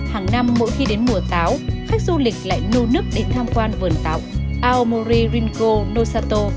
hàng năm mỗi khi đến mùa táo khách du lịch lại nô nức đến tham quan vườn tạo aomori ringco nosato